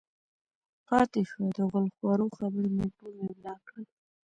پاتې شوه د غول خورو خبره نو ټول مې بلاک کړل